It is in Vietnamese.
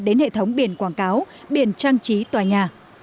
đến hệ thống biển quảng cáo biển trang trí tòa nhà